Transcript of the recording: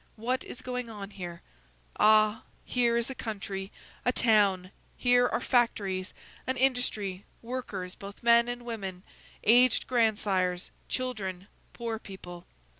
What is going on here? Ah! here is a country, a town, here are factories, an industry, workers, both men and women, aged grandsires, children, poor people!